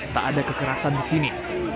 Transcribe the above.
tak ada kekerasan di sini